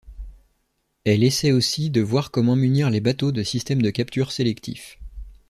Elle essaie aussi de voir comment munir les bateaux de systèmes de capture sélectifs.